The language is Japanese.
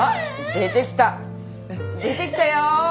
出てきたよ！